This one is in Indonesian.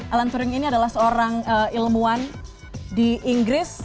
alan touring ini adalah seorang ilmuwan di inggris